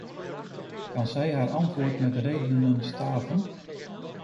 Kan zij haar antwoord met redenen staven?